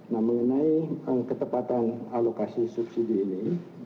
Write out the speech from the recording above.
nah mengenai ketepatan alokasi subsidi ini